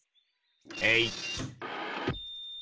えい！